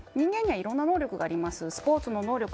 人間にはいろんな能力があります。